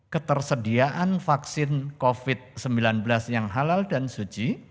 ketersediaan vaksin covid sembilan belas yang halal dan suci